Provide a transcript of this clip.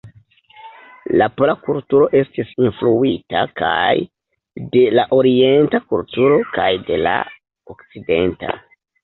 La pola kulturo estis influita kaj de la orienta kulturo kaj de la okcidenta.